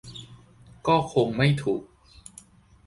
ก็คงไม่ถูก